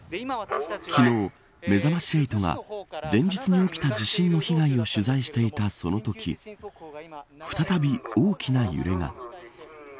昨日、めざまし８が前日に起きた地震の被害を取材していた、そのとき再び大きな揺れが。